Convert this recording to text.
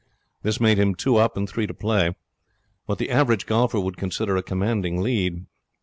This made him two up and three to play. What the average golfer would consider a commanding lead.